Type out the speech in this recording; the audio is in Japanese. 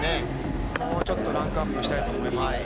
もうちょっとランクアップしたいですね。